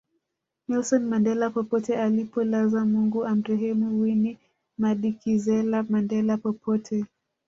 Nelson Mandela popote alipolazwa Mungu amrehemu Winnie Medikizela Mandela popote